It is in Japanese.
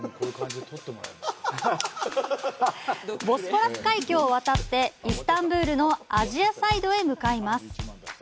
ボスポラス海峡を渡ってイスタンブルのアジアサイドへ向かいます。